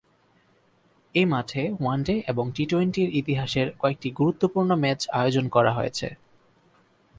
এ মাঠে ওয়ানডে এবং টি-টোয়েন্টির ইতিহাসের কয়েকটি গুরুত্বপূর্ণ ম্যাচ আয়োজন করা হয়েছে।